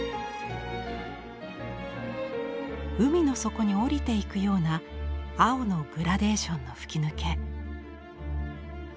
海の底におりていくような青のグラデーションの吹き抜け。